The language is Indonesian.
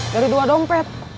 dari dua dompet